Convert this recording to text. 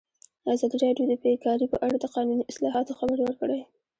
ازادي راډیو د بیکاري په اړه د قانوني اصلاحاتو خبر ورکړی.